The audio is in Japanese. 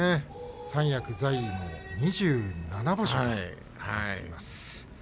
三役在位も２７場所まできています。